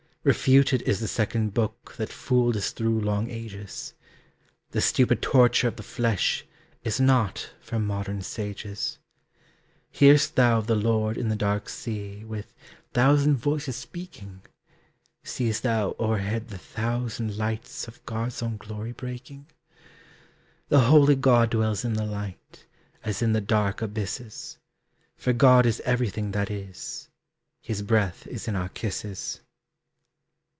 Refuted is the second book That fooled us through long ages. The stupid torture of the flesh Is not for modern sages. Hear'st thou the Lord in the dark sea, With thousand voices speaking? See'st thou o'erhead the thousand lights Of God's own glory breaking? The holy God dwells in the light, As in the dark abysses. For God is everything that is: His breath is in our kisses.